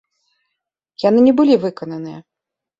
Яны не былі выкананыя.